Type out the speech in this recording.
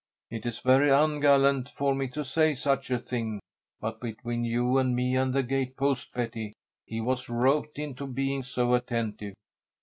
"It is very ungallant for me to say such a thing, but between you and me and the gate post, Betty, he was roped into being so attentive.